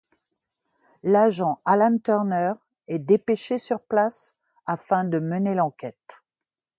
L'agent Alan Turner est dépêché sur place afin de mener l'enquête.